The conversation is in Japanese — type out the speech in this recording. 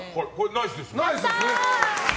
ナイスです。